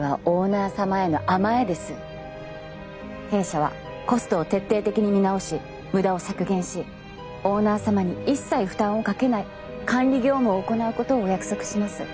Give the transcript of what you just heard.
弊社はコストを徹底的に見直し無駄を削減しオーナー様に一切負担をかけない管理業務を行うことをお約束します。